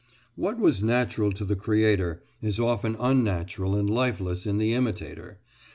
What was natural to the creator is often unnatural and lifeless in the imitator.